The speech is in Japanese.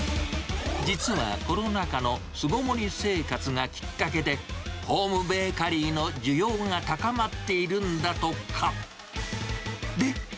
実はコロナ禍の巣籠り生活がきっかけで、ホームベーカリーの需要が高まっているんだとか。